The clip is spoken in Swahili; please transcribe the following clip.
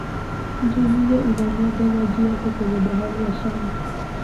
mto nile unamwaga maji yake kwenye bahari ya shamu